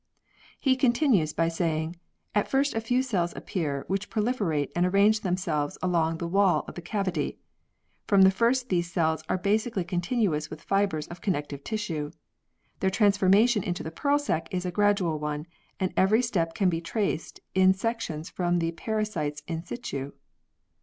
He continues by saying : "At first a few cells appear which proliferate and arrange themselves along the wall of the cavity.... From the first these cells are basally continuous with fibres of connective tissue. Their transformation into the pearl sac is a gradual one, and every step can be traced in sections of the parasites in situ."